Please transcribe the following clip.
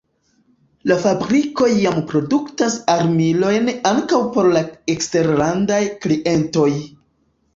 La fabrikoj jam produktas armilojn ankaŭ por la eksterlandaj klientoj.